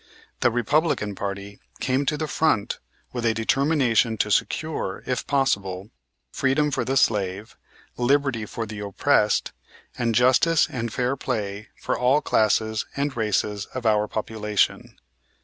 The Republican party came to the front with a determination to secure, if possible, freedom for the slave, liberty for the oppressed, and justice and fair play for all classes and races of our population.